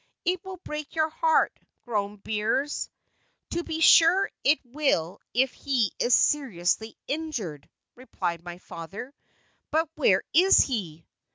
"It will break your heart," groaned Beers. "To be sure it will if he is seriously injured," replied my father; "but where is he?"